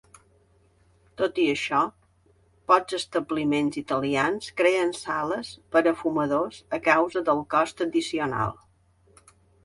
Tot i això, pocs establiments italians creen sales per a fumadors a causa del cost addicional.